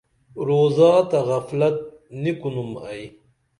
روزا تہ غفلت نی کُنُم ائی